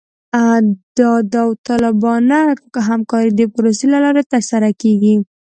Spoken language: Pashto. دا د داوطلبانه همکارۍ د پروسې له لارې ترسره کیږي